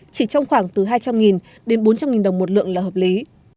chỉ trong khoảng từ hai trăm linh đến bốn trăm linh đồng một lượng là hợp lý